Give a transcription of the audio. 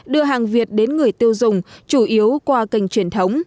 đưa hàng việt đến người tiêu dùng chủ yếu qua kênh truyền thống